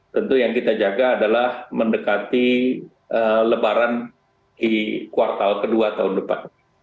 tentu yang kita jaga adalah mendekati lebaran di kuartal kedua tahun depan